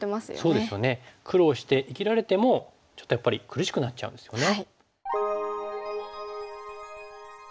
そうですよね苦労して生きられてもちょっとやっぱり苦しくなっちゃうんですよね。